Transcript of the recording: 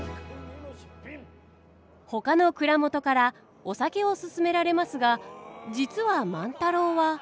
ほかの蔵元からお酒を勧められますが実は万太郎は。